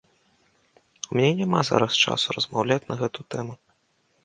У мяне няма зараз часу размаўляць на гэту тэму.